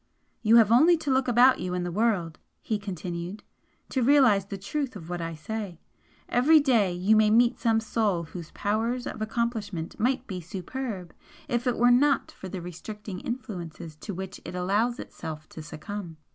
"You have only to look about you in the world," he continued "to realise the truth of what I say. Every day you may meet some soul whose powers of accomplishment might be superb if it were not for the restricting influences to which it allows itself to succumb.